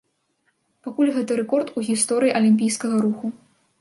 Пакуль гэта рэкорд у гісторыі алімпійскага руху.